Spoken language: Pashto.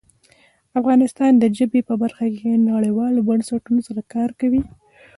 افغانستان د ژبې په برخه کې نړیوالو بنسټونو سره کار کوي.